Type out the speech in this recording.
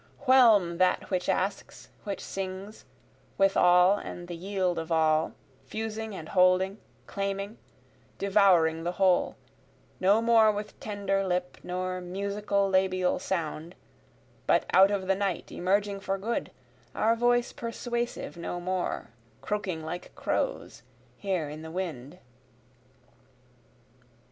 whelm that which asks, which sings, with all and the yield of all, Fusing and holding, claiming, devouring the whole, No more with tender lip, nor musical labial sound, But out of the night emerging for good, our voice persuasive no more, Croaking like crows here in the wind.